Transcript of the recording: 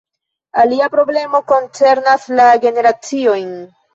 Alia problemo koncernas la generaciojn.